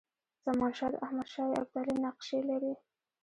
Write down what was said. زمانشاه د احمدشاه ابدالي نقشې لري.